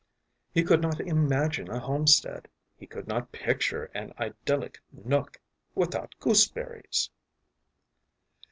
He could not imagine a homestead, he could not picture an idyllic nook, without gooseberries.